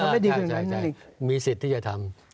ไม่มากมีสิทธิ์ที่จะทำ